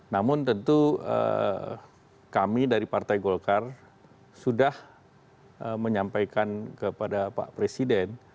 namun tentu kami dari partai golkar sudah menyampaikan kepada pak presiden